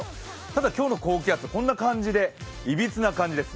ただ今日の高気圧、こんな感じでいびつな感じです。